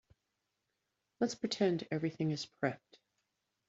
Let's pretend everything is prepped.